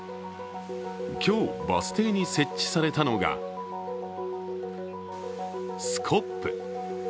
今日、バス停に設置されたのがスコップ。